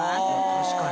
確かに。